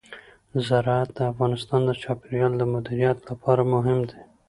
زراعت د افغانستان د چاپیریال د مدیریت لپاره مهم دي.